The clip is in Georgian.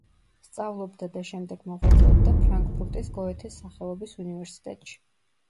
სწავლობდა და შემდეგ მოღვაწეობდა ფრანკფურტის გოეთეს სახელობის უნივერსიტეტში.